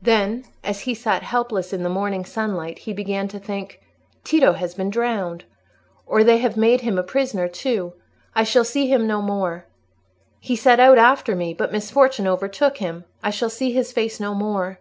Then, as he sat helpless in the morning sunlight, he began to think, "Tito has been drowned, or they have made him a prisoner too. I shall see him no more. He set out after me, but misfortune overtook him. I shall see his face no more."